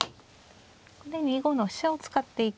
ここで２五の飛車を使っていく。